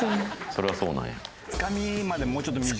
それはそうなんや。